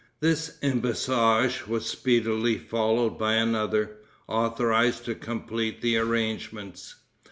This embassage was speedily followed by another, authorized to complete the arrangements.